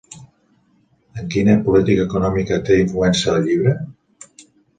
En quina política econòmica té influència el llibre?